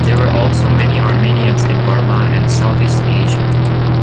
There were also many Armenians in Burma and Southeast Asia.